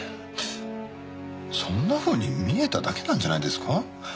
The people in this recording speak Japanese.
そんなふうに見えただけなんじゃないですか？